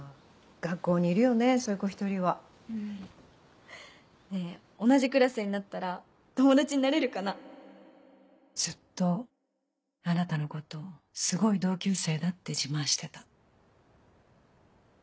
学校にいるよねそういう子一うんねぇ同じクラスになったら友達になれずっとあなたのことをすごい同級生だって自慢してた。